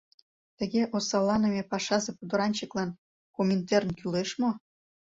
Тыге осалланыме пашазе пудыранчыклан Коминтерн кӱлеш мо?